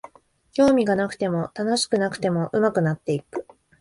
興味がなくても楽しくなくても上手くなっていく